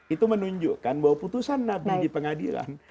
itu menunjukkan bahwa putusan nabi di pengadilan